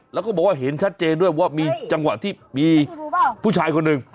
แล้วก็บอกว่าเห็นชัดเจนด้วยว่ามีจังหวะที่มีผู้ชายคนหนึ่ง